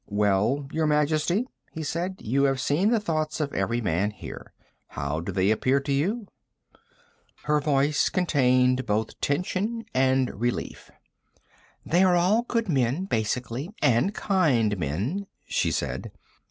"Well, Your Majesty?" he said. "You have seen the thoughts of every man here. How do they appear to you?" Her voice contained both tension and relief. "They are all good men, basically and kind men," she said.